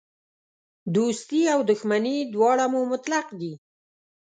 دوستي او دښمني دواړه مو مطلق دي.